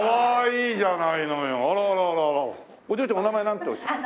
お嬢ちゃんお名前なんておっしゃるの？